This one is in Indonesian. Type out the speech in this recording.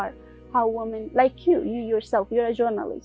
seperti anda anda sendiri anda seorang jurnalis